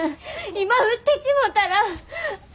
今売ってしもたら。